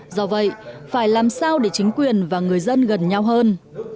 do vậy phải làm sao để chính quyền và người dân gần nhau hơn